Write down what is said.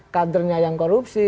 kadernya yang korupsi